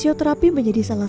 ya tapi gak idea kesium han